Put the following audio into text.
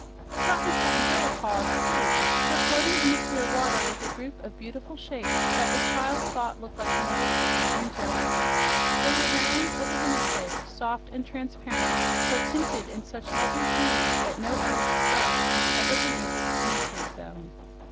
Trot and Cap'n Bill paused, too, for floating in the clear water was a group of beautiful shapes that the child thought looked like molds of wine jelly. They were round as a dinner plate, soft and transparent, but tinted in such lovely hues that no artist's brush has ever been able to imitate them.